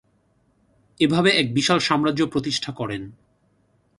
এভাবে এক বিশাল সাম্রাজ্য প্রতিষ্ঠা করেন।